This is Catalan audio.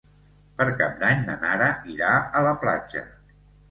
Per Cap d'Any na Nara irà a la platja.